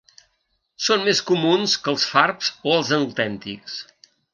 Són més comuns que els farbs o els autèntics.